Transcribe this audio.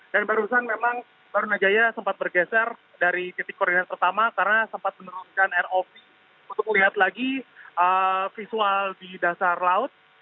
dan barusan memang barunajaya sempat bergeser dari titik koordinat pertama karena sempat meneroboskan rov untuk melihat lagi visual di dasar laut